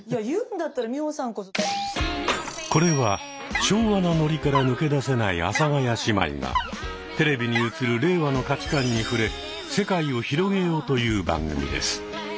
これは昭和なノリから抜け出せない阿佐ヶ谷姉妹がテレビに映る令和の価値観に触れ世界を広げようという番組です。